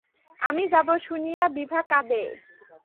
আমি যাব শুনিয়া বিভা কাঁদে!